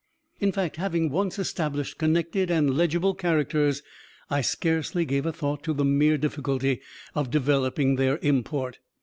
In fact, having once established connected and legible characters, I scarcely gave a thought to the mere difficulty of developing their import.